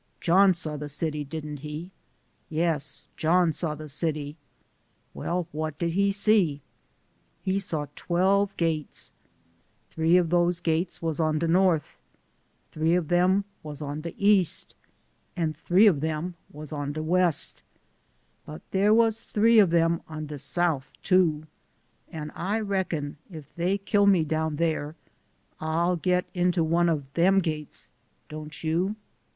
John saw the city, didn't he? Yes, John saw the city. Well, what did he see? He saw twelve gates three of dose gates was on de north three of 'em was on de east and three of 'em was on de west but dere was three of 'em on de South too ; an' I reckon if dey kill me down dere, I'll o it into one of dem <rates, 7 O don't you